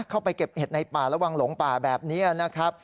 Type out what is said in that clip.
เข้าไปเก็บเห็ดในป่าระวังหลงป่าแบบนี้นะครับ